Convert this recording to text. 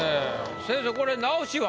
先生これ直しは？